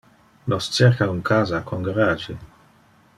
Nos cerca un casa con garage.